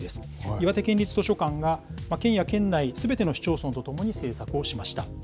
岩手県立図書館が、県や県内すべての市町村とともに制作をしました。